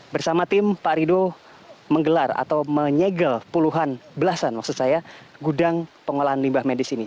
bersama tim pak rido menggelar atau menyegel puluhan belasan maksud saya gudang pengolahan limbah medis ini